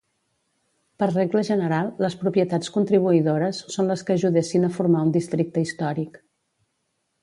Per regla general, les propietats contribuïdores són les que ajudessin a formar un districte històric.